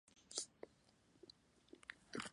Fue fundador de muchas sociedades y periódicos.